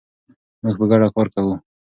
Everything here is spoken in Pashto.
موږ په ګډه کار کوو.